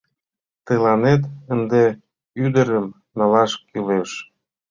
Тыланет ынде ӱдырым налаш кӱлеш.